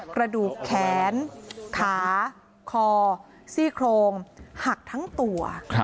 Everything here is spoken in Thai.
กระดูกแขนขาคอซี่โครงหักทั้งตัว